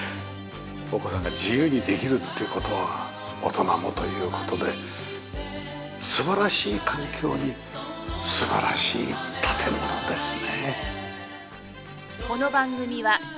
お子さんが自由にできるって事は大人もという事で素晴らしい環境に素晴らしい建物ですね。